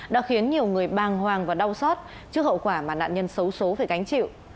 đã khiến nhiều người bàng hoàng và đau xót trước hậu quả mà nạn nhân xấu xố phải gánh chịu